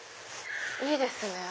いいですね。